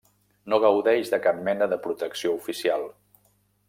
No gaudeix de cap mena de protecció oficial.